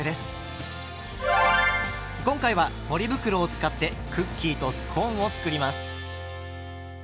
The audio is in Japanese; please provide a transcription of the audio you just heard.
今回はポリ袋を使ってクッキーとスコーンを作ります。